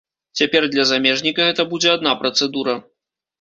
Цяпер для замежніка гэта будзе адна працэдура.